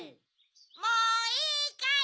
もういいかい？